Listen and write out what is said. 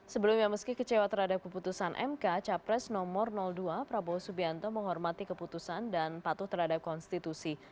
sebelumnya meski kecewa terhadap keputusan mk capres nomor dua prabowo subianto menghormati keputusan dan patuh terhadap konstitusi